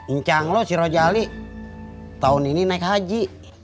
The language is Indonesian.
ingcang lo si rojali tahun ini naik haji